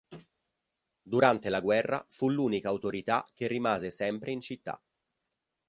Durante la guerra fu l'unica autorità che rimase sempre in città.